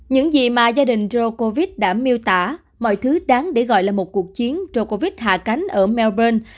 những gì mà gia đình joe covid đã miêu tả mọi thứ đáng để gọi là một cuộc chiến joe covid hạ cánh ở melbourne